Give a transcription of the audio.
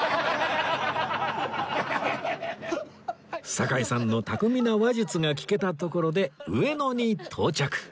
堺さんの巧みな話術が聞けたところで上野に到着